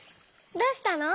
どうしたの？